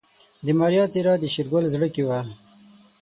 د ماريا څېره د شېرګل زړه کې وه.